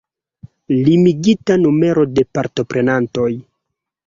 Limigita numero de partoprenantoj.